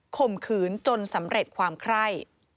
ข่มขืนจนสำเร็จความไคร่